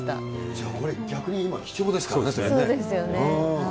じゃあこれ、逆に今、貴重でそうですよね。